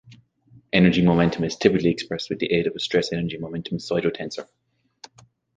Energy-momentum is typically expressed with the aid of a stress-energy-momentum pseudotensor.